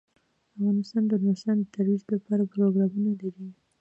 افغانستان د نورستان د ترویج لپاره پروګرامونه لري.